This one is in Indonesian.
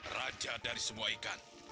raja dari semua ikan